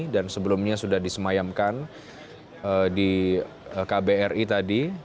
dan sebelumnya sudah disemayamkan di kbri tadi